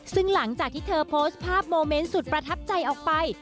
ซึ่งหลังจากที่เธอโพสต์ภาพโมเมนต์สุดประทับใจออกไป